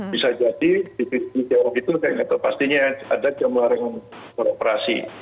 bisa jadi di sisi jawab itu kayak nggak tahu pastinya ada jam lari yang beroperasi